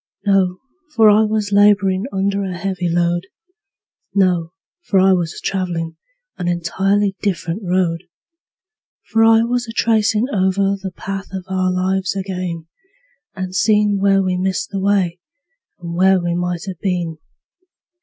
No for I was laborin' under a heavy load; No for I was travelin' an entirely different road; For I was a tracin' over the path of our lives ag'in, And seein' where we missed the way, and where we might have been.